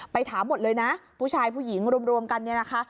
ถามหมดเลยนะผู้ชายผู้หญิงรวมกันเนี่ยนะคะ